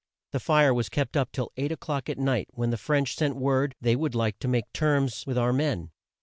The fire was kept up till eight o'clock at night, when the French sent word they would like to make terms with our men.